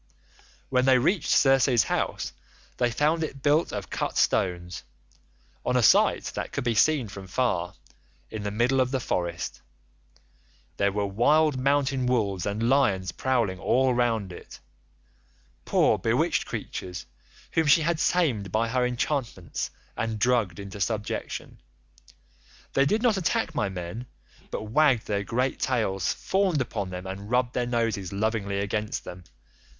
"When they reached Circe's house they found it built of cut stones, on a site that could be seen from far, in the middle of the forest. There were wild mountain wolves and lions prowling all round it—poor bewitched creatures whom she had tamed by her enchantments and drugged into subjection. They did not attack my men, but wagged their great tails, fawned upon them, and rubbed their noses lovingly against them.